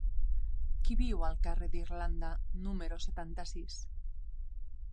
Qui viu al carrer d'Irlanda número setanta-sis?